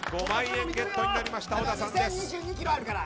５万円ゲットになりました。